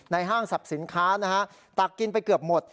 ในห้างสับสินค้าตักกินไปเกือบหมด